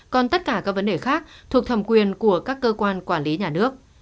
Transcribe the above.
còn tất cả các vấn đề khác thuộc thẩm quyền của các cơ quan quản lý nhà nước